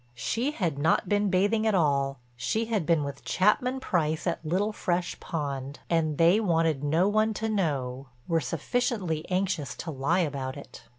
She had not been bathing at all, she had been with Chapman Price at Little Fresh Pond. And they wanted no one to know; were sufficiently anxious to lie about it.